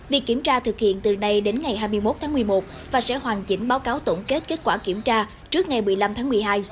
việc kiểm tra thực hiện từ nay đến ngày hai mươi một tháng một mươi một và sẽ hoàn chỉnh báo cáo tổng kết kết quả kiểm tra trước ngày một mươi năm tháng một mươi hai